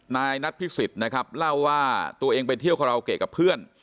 นายนัทพิสิทธิ์นะครับเล่าว่าตัวเองไปเที่ยวคาราโอเกะกับเพื่อน